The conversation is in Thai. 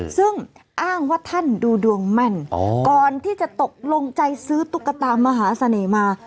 ซึ่งอ้างว่าท่านดูดวงแม่นก่อนที่จะตกลงใจซื้อตุ๊กตามหาเสน่ห์มา